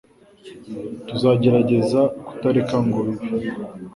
Tuzagerageza kutareka ngo bibe